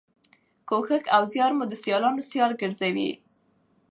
کوښښ او زیار مو د سیالانو سیال ګرځوي.